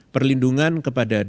perlindungan kepada diri